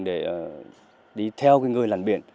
để đi theo người làn biển